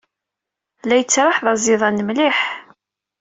La yettraḥ d aẓidan mliḥ.